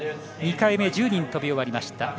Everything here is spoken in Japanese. ２回目１０人飛び終わりました。